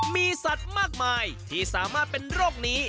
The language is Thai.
มีสัตว์มากมายที่สามารถเป็นโรคนี้